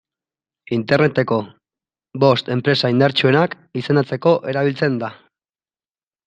Interneteko bost enpresa indartsuenak izendatzeko erabiltzen da.